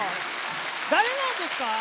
だれなんですか？